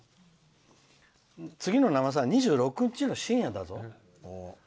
次の「生さだ」２６日の深夜だぞ。